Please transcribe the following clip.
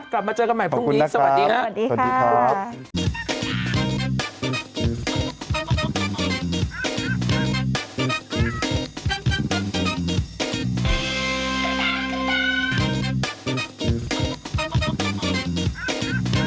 กลับมาเจอกันใหม่พรุ่งนี้สวัสดีครับ